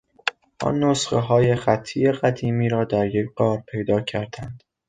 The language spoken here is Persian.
آن نسخههای خطی قدیمی را در یک غار پیدا کردند.